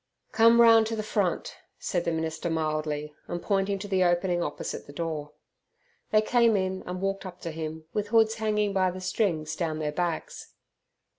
"Come round to the front," said the minister mildly, and pointing to the opening opposite the door. They came in and walked up to him, with hoods hanging by the strings down their backs.